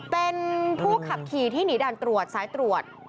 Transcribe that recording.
เป็นผู้ขับขี่ที่หนีด่านตรวจสายตรวจ